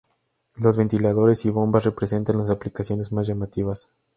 Los ventiladores y bombas representan las aplicaciones más llamativas.